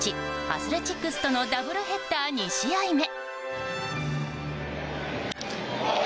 アスレチックスとのダブルヘッダー２試合目。